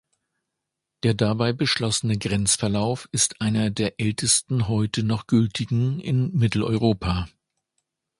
Der dabei beschlossene Grenzverlauf ist einer der ältesten heute noch gültigen in Mitteleuropa.